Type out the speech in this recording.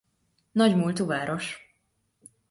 Nagy múltú város.